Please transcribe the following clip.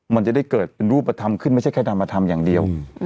มันจะได้เกิดเป็นรูปธรรมขึ้นไม่ใช่แค่นำมาทำอย่างเดียว